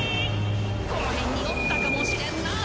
この辺におったかもしれんなあ。